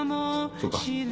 そうか。